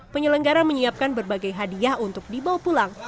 penyelenggara menyiapkan berbagai hadiah untuk dibawa pulang